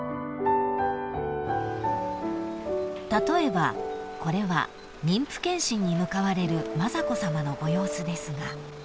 ［例えばこれは妊婦健診に向かわれる雅子さまのご様子ですが］